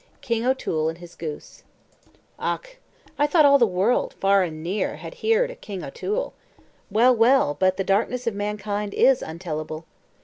KING O'TOOLE AND HIS GOOSE Och, I thought all the world, far and near, had heerd o' King O'Toole well, well, but the darkness of mankind is untellible!